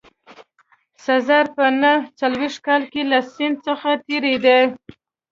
سزار په نه څلوېښت کال کې له سیند څخه تېرېده.